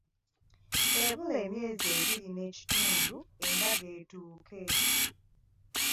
Ebula emyezi ebiri n'ekitundu embaga etuuke.